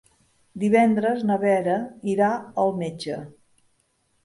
Divendres na Vera irà al metge.